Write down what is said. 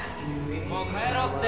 もう帰ろうって。